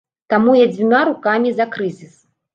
Таму я дзвюма рукамі за крызіс.